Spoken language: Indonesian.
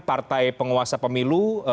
partai penguasa pemilu